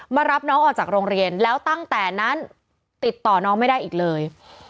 มารับน้องออกจากโรงเรียนแล้วตั้งแต่นั้นติดต่อน้องไม่ได้อีกเลย